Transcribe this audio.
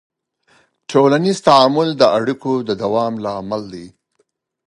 ټولنیز تعامل د اړیکو د دوام لامل دی.